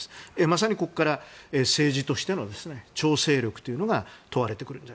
まさにここから政治としての調整力が問われてくると。